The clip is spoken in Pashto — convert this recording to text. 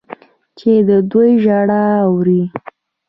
چې د دوی ژړا اوري.